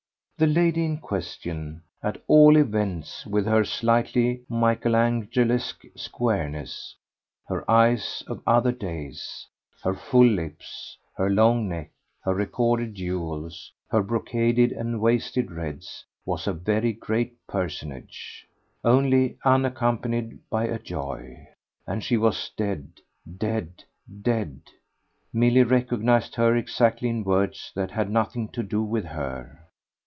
The lady in question, at all events, with her slightly Michael angelesque squareness, her eyes of other days, her full lips, her long neck, her recorded jewels, her brocaded and wasted reds, was a very great personage only unaccompanied by a joy. And she was dead, dead, dead. Milly recognised her exactly in words that had nothing to do with her.